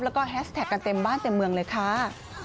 แล้วก็แฮชแท็กกันเต็มบ้านเต็มเมืองเลยค่ะ